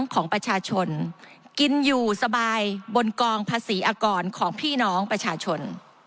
ของประชาชนกินอยู่สบายบนกองภาษีอากรของพี่น้องประชาชน